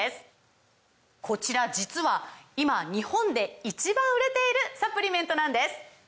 こちら実は今日本で１番売れているサプリメントなんです！